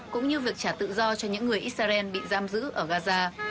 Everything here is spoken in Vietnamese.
cũng như việc trả tự do cho những người israel bị giam giữ ở gaza